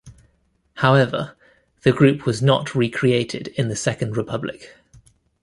However, the group was not recreated in the Second Republic.